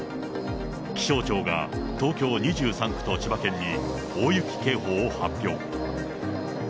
気象庁が、東京２３区と千葉県に大雪警報を発表。